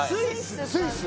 スイス！？